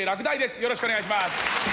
よろしくお願いします。